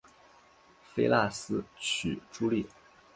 菲腊斯娶茱莉。